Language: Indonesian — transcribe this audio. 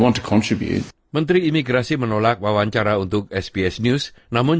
mereka berterima kasih untuk kesempatan